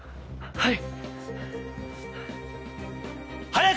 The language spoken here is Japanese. はい。